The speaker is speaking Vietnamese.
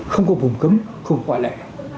không có phùng cấm không có quả lệ